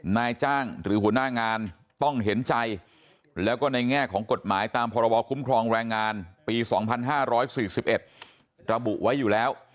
นายจ้างหรือหัวหน้างานต้องเห็นใจแล้วก็ในแง่ของกฎหมายตามพรบคุ้มครองแรงงานปี๒๕๔๑ระบุไว้อยู่แล้ว